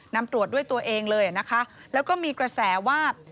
นำตรวจด้วยตัวเองเลยนะคะแล้วก็มีกระแสว่า